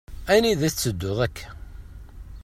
Anida i tetteddu akka?